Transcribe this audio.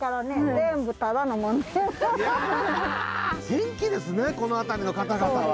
元気ですねこの辺りの方々は。